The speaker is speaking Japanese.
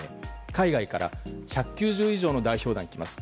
海外から１９０以上の代表団が来ます。